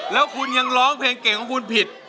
แล้วคุณยังร้องเพลงเก่งของคุณผิด